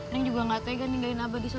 neng juga gak tega ninggalin abah disana